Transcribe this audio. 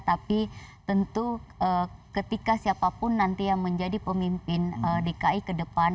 tapi tentu ketika siapapun nanti yang menjadi pemimpin dki ke depan